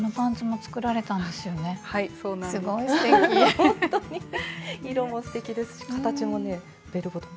ほんとに色もすてきですし形もねベルボトム。